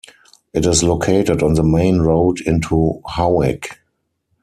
It is located on the main road into Howick.